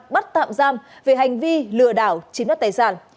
bắt tạm giam về hành vi lừa đảo chiếm đất tài sản